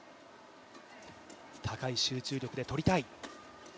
高い集中力でとりたい。